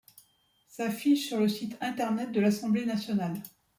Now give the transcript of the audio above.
Sa fiche, sur le site Internet de l'Assemblée nationale.